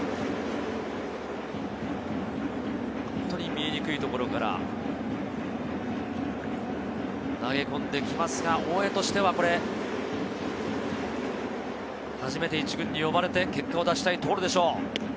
本当に見えにくいところから投げ込んできますが、大江としては初めて１軍に呼ばれて結果を出したいところでしょう。